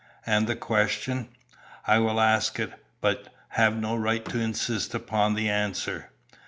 "And the question?" "I will ask it, but have no right to insist upon the answer.